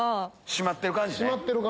締まってる感じね。